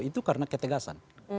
itu karena ketegasan